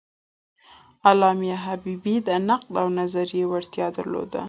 علامه حبیبي د نقد او نظریې وړتیا درلوده.